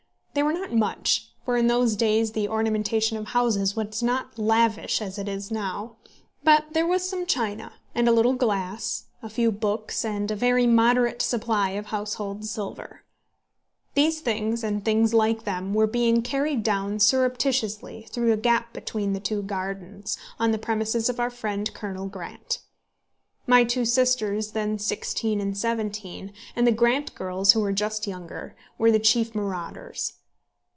They were not much, for in those days the ornamentation of houses was not lavish as it is now; but there was some china, and a little glass, a few books, and a very moderate supply of household silver. These things, and things like them, were being carried down surreptitiously, through a gap between the two gardens, on to the premises of our friend Colonel Grant. My two sisters, then sixteen and seventeen, and the Grant girls, who were just younger, were the chief marauders.